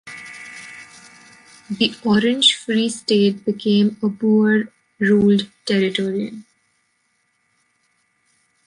The Orange Free State became a Boer-ruled territory.